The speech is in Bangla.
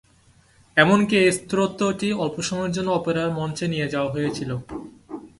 এমনকি এই স্তোত্রটি অল্প সময়ের জন্য অপেরার মঞ্চে নিয়ে যাওয়া হয়েছিল।